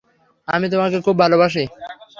আমি তোমাকে খুব খুব ভালোবাসি।